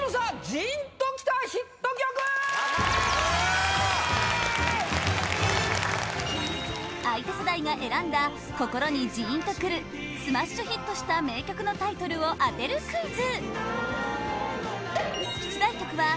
ジーンときたヒット曲相手世代が選んだ心にジーンとくるスマッシュヒットした名曲のタイトルを当てるクイズ